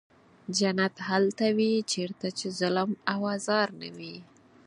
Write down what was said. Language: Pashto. جنت هلته وي چېرته چې ظلم او آزار نه وي.